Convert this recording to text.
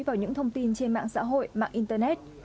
vào những thông tin trên mạng xã hội mạng internet